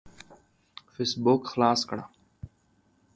فيسبوک خلاص کړه.